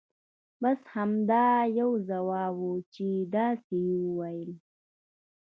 بس همدا یو ځواب وو چې داسې یې ویل.